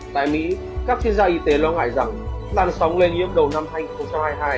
tại mỹ các chuyên gia y tế lo ngại rằng làn sóng lây nhiễm đầu năm hai nghìn hai mươi hai